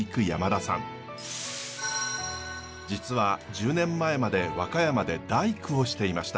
実は１０年前まで和歌山で大工をしていました。